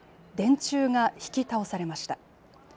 電柱が引き倒されました。